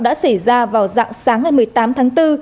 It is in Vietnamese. đã xảy ra vào dạng sáng ngày một mươi tám tháng bốn